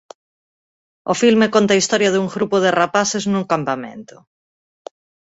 O filme conta a historia dun grupo de rapaces nun campamento.